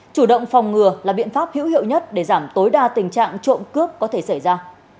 chủ động phòng ngừa là biện pháp hữu hiệu nhất để giảm tối đa tình trạng trộm cướp có thể xảy ra